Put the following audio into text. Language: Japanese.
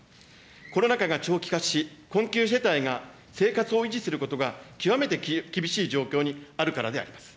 コロナ禍が長期化し、困窮世帯が生活を維持することが極めて厳しい状況にあるからであります。